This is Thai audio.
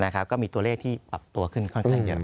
นะครับก็มีตัวเลขที่ปรับตัวขึ้นข้างเยอะ